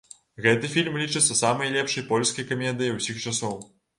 Гэты фільм лічыцца самай лепшай польскай камедыяй усіх часоў.